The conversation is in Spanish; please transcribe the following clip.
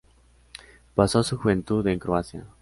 Pasó su juventud en Croacia.